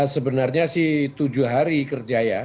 sebenarnya sih tujuh hari kerja ya